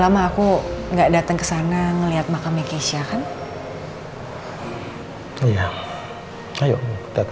makasih ya kak